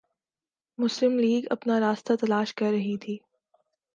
مسلم لیگ اپنا راستہ تلاش کررہی تھی۔